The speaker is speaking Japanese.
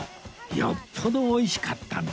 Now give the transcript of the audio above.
よっぽど美味しかったんですね